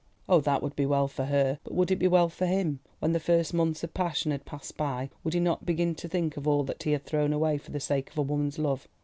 Oh, that would be well for her; but would it be well for him? When the first months of passion had passed by, would he not begin to think of all that he had thrown away for the sake of a woman's love?